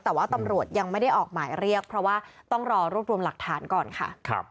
แต่ว่าตำรวจยังไม่ได้ออกหมายเรียกเพราะว่าต้องรอรวบรวมหลักฐานก่อนค่ะ